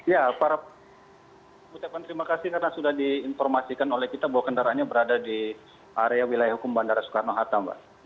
ya para pengucapan terima kasih karena sudah diinformasikan oleh kita bahwa kendaraannya berada di area wilayah hukum bandara soekarno hatta mbak